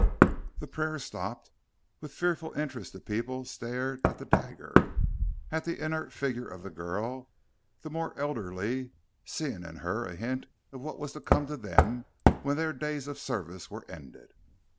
The prayer stopped. With fearful interest the people stared at the dagger, at the inert figure of the girl the more elderly seeing in her a hint of what was to come to them when their days of service were ended.